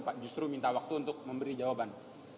pak justru minta waktu untuk memberi jawaban